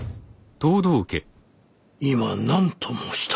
今何と申した？